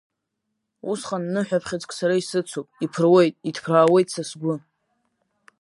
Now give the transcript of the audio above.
Усҟан ныҳәаԥхьыӡк сара исыцуп, иԥыруеит, иҭԥраауеит са сгәы.